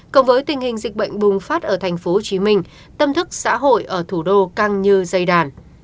cộng với tình hình dịch bệnh bùng phát ở thành phố hồ chí minh tâm thức xã hội ở thủ đô căng như dây đàn